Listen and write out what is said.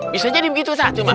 bisa jadi begitu ustadz